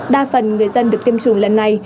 đa phần người dân được tiêm chủng lần này